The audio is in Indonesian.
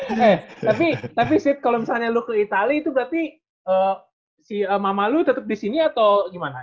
eh tapi tapi sid kalo misalnya lu ke itali itu berarti si mama lu tetep di sini atau gimana